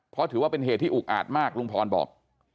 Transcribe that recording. เพราะถือว่าเป็นเหตุที่อุกอาจมากลุงพรบอก